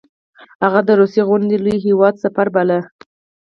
هغه د روسیې غوندې لوی هیواد سفیر باله.